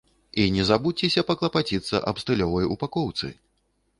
І не забудзьцеся паклапаціцца аб стылёвай упакоўцы.